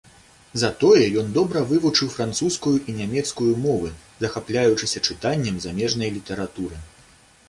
Затое ён добра вывучыў французскую і нямецкую мовы, захапляючыся чытаннем замежнай літаратуры.